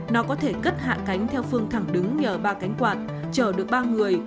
nó có thể cất hạ cánh theo phương thẳng đứng nhờ ba cánh quạt chở được ba người